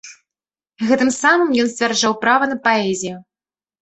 Гэтым самым ён сцвярджаў права на паэзію.